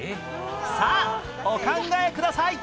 さあお考えください！